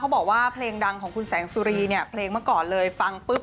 บอกว่าเพลงดังของคุณแสงสุรีเนี่ยเพลงเมื่อก่อนเลยฟังปุ๊บ